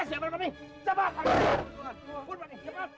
siapa ini cepat